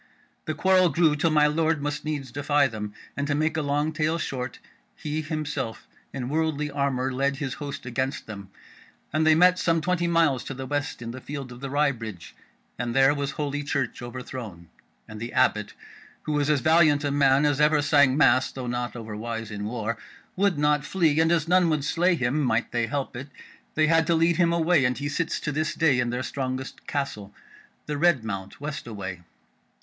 The quarrel grew till my Lord must needs defy them, and to make a long tale short, he himself in worldly armour led his host against them, and they met some twenty miles to the west in the field of the Wry Bridge, and there was Holy Church overthrown; and the Abbot, who is as valiant a man as ever sang mass, though not over wise in war, would not flee, and as none would slay him, might they help it, they had to lead him away, and he sits to this day in their strongest castle, the Red Mount west away.